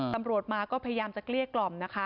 ตำรวจมาก็พยายามจะเกลี้ยกล่อมนะคะ